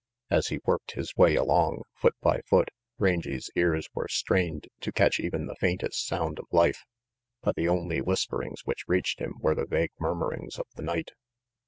As he worked his way along, foot by foot, Rangy 's ears were strained to catch even the faintest sound of life; but the only whisperings which reached him were the vague murmurings of the night.